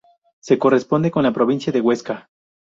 Se corresponde con la provincia de Huesca.